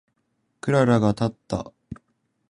クララがたった。